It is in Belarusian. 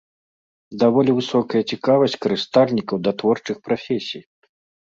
Даволі высокая цікавасць карыстальнікаў да творчых прафесій.